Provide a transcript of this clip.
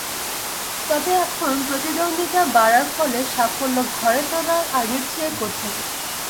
তবে এখন প্রতিদ্বন্দ্বিতা বাড়ার ফলে সাফল্য ঘরে তোলা আগের চেয়ে কঠিন।